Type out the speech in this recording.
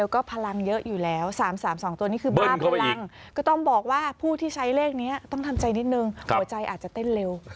ก็พลังมันเพิ่มไหม